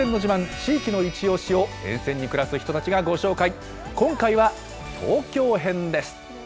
地域のいちオシ！を沿線に暮らす人たちがご紹介。